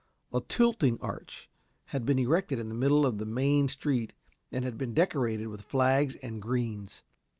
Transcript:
A tilting arch had been erected in the middle of the main street, and had been decorated with flags and greens.